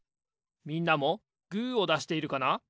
みんなもグーをだしているかな？